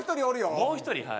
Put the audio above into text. もう１人はい。